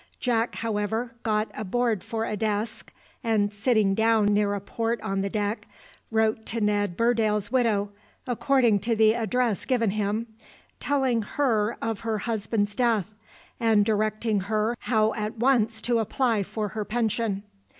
Jack, however, got a board for a desk, and, sitting down near a port on the deck, wrote to Ned Burdale's widow, according to the address given him, telling her of her husband's death, and directing her how at once to apply for her pension.